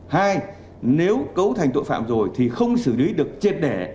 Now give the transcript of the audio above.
hai nếu cấu thành tội phạm rồi thì không xử lý được chết đẻ